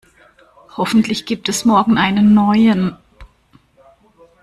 Hoffentlich gibt es morgen einen neuen.